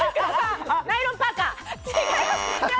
ナイロンパーカー。